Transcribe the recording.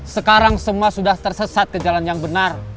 sekarang semua sudah tersesat ke jalan yang benar